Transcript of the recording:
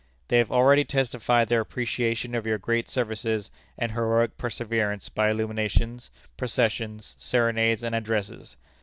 They have already testified their appreciation of your great services and heroic perseverance by illuminations, processions, serenades, and addresses.